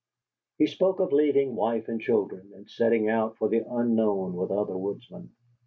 He spoke of leaving wife and children, and setting out for the Unknown with other woodsmen.